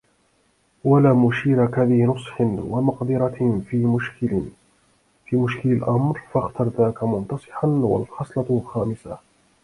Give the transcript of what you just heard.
وَلَا مُشِيرَ كَذِي نُصْحٍ وَمَقْدِرَةٍ فِي مُشْكِلِ الْأَمْرِ فَاخْتَرْ ذَاكَ مُنْتَصِحًا وَالْخَصْلَةُ الْخَامِسَةُ